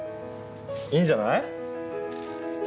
いいんじゃない？